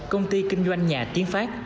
công ty kinh doanh nhà tiến pháp